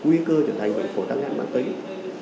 nguy cơ trở thành bệnh phổi tăng nặng bản tính